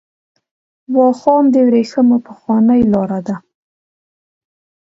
واخان د ورېښمو پخوانۍ لار ده .